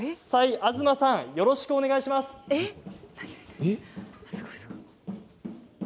東さん、よろしくお願いします。